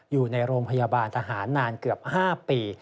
อยู่ในโรงพยาบาลทหารนานเกือบ๕ปี